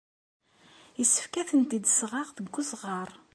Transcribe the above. Yessefk ad tent-id-sɣeɣ deg uzɣar.